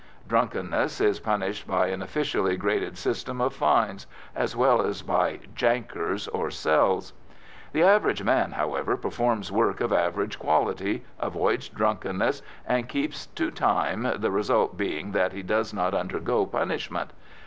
Drunkenness is punished by an officially graded system of fines, as well as by "jankers" or "cells." The average man, however, performs work of average quality, avoids drunkenness, and keeps to time, the result being that he does not undergo punishment.